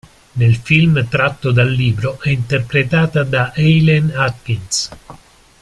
Nel film tratto dal libro, è interpretata da Eileen Atkins.